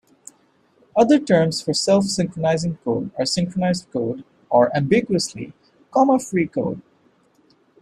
Other terms for self-synchronizing code are synchronized code or, ambiguously, comma-free code.